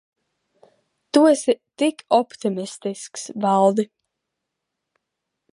Tu esi tik optimistisks, Valdi.